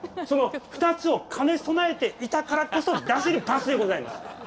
その２つを兼ね備えていたからこそ出せるパスでございます！